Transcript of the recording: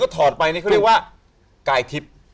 ถอดไปนี่เขาเรียกว่ากายทิพย์